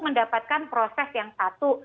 mendapatkan proses yang satu